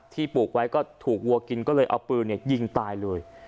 ปลูกไว้ก็ถูกวัวกินก็เลยเอาปืนยิงตายเลย